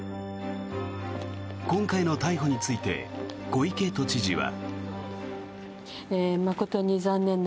今回の逮捕について小池都知事は。